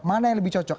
mana yang lebih cocok